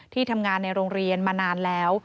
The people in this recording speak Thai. ที่ทำงานในโรงเรียนมานานแล้ว